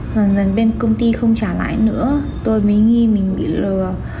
rần rần bên công ty không trả lãi nữa tôi mới nghĩ mình bị lừa